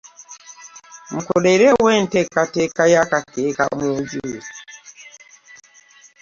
Mukoleewo enteekateeka y’akakeeka mu nju.